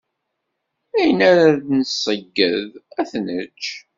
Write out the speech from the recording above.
Ayen ara d-nṣeyyed, ad t-nečč.